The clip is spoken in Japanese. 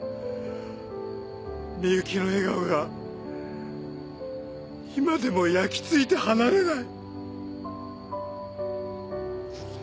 深雪の笑顔が今でも焼きついて離れない。